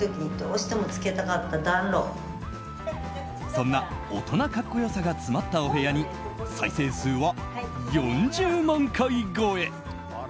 そんな大人カッコよさが詰まったお部屋に再生数は４０万回超え。